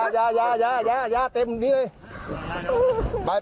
ยาเต็มอยู่นี่เลย